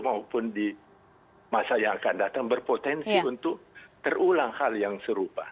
maupun di masa yang akan datang berpotensi untuk terulang hal yang serupa